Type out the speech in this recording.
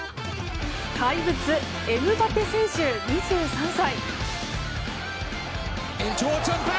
怪物エムバペ選手、２３歳。